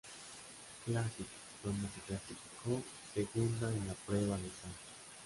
Classic," donde se clasificó segunda en la prueba de salto.